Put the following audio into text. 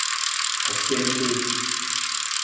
Asentii.